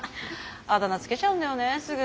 あだ名付けちゃうんだよねすぐ。